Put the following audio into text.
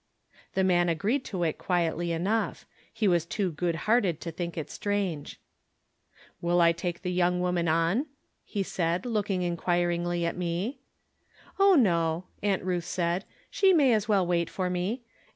The man agreed to it quietly enough. He was too good hearted to think it strange. " Will I take the young woman on ?" he said, loojdng inquiringly at me. "Oh, no," Aunt Ruth said; "she may as well wait for me.